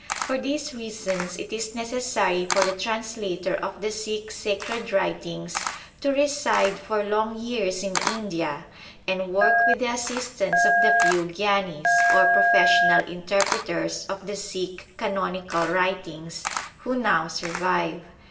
For these reasons it is necessary for the translator of the Sikh sacred writings to reside for long years in India, and work with the assistance of the few gyanis, or professional interpreters of the Sikh canonical writings, who now survive.